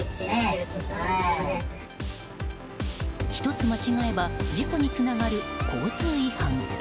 １つ間違えば事故につながる交通違反。